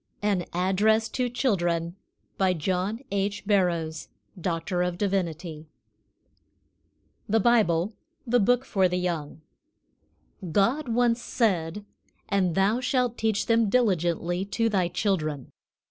AN ADDRESS TO CHILDREN. BY JOHN H. BARROWS, D.D. THE BIBLE THE BOOK FOR THE YOUNG. GOD once said: "And thou shalt teach them diligently to thy children."